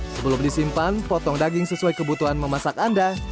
sebelum disimpan potong daging sesuai kebutuhan memasak anda